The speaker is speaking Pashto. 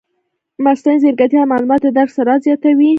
مصنوعي ځیرکتیا د معلوماتو د درک سرعت زیاتوي.